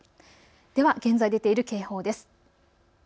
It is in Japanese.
では現在出ている警報です。